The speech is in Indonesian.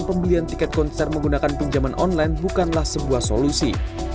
pembelian tiket konser menggunakan pinjaman online bukanlah sebuah solusi